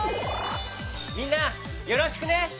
みんなよろしくね！